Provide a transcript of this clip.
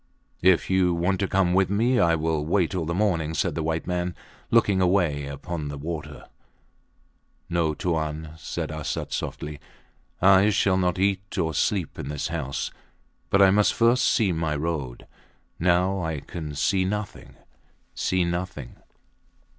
If you want to come with me, I will wait all the morning, said the white man, looking away upon the water. No, Tuan, said Arsat, softly. I shall not eat or sleep in this house, but I must first see my road. Now I can see nothing see nothing!